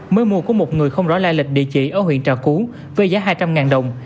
mới mua của một người không rõ lai lịch địa chỉ ở huyện trà cú với giá hai trăm linh đồng